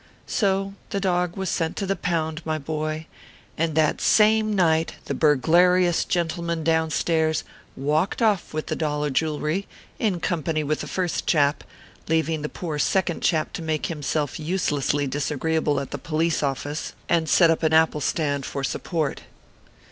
So the dog was sent to the pound, my boy, and that same night the burglarious gentleman down stairs walked off with the dollar jewelry, in company with the first chap, leaving the poor second chap to make himself uselessly disagreeable at the police office, and set up an apple stand for support.